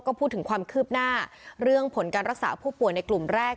ก็พูดถึงความคืบหน้าเรื่องผลการรักษาผู้ป่วยในกลุ่มแรก